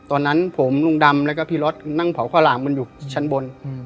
ตอนนั้นผมลุงดำแล้วก็พี่รถนั่งเผาข้าวหลามกันอยู่ชั้นบน